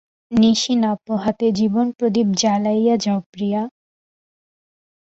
– নিশি না পোহাতে জীবনপ্রদীপ জ্বালাইয়া যাও প্রিয়া!